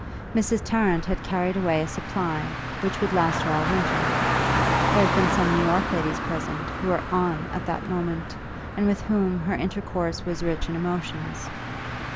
Mrs. Tarrant had carried away a supply which would last her all winter; there had been some New York ladies present who were "on" at that moment, and with whom her intercourse was rich in emotions.